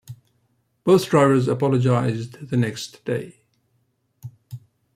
Both drivers apologized the next day.